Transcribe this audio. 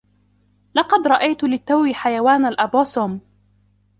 لقد رأيت للتو حيوان الأبوسوم.